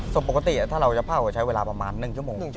ปกติถ้าเราจะเผ่าใช้เวลาประมาณ๑ชั่วโมง